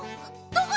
どこ？